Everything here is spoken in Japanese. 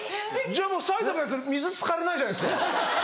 じゃあもう埼玉のヤツら水つかれないじゃないですか。